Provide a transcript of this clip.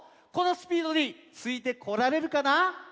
このスピードについてこられるかな？